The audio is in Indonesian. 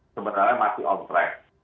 sebenarnya masih on track